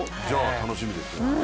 楽しみですよ。